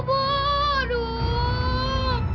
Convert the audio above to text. bu juga ngaduk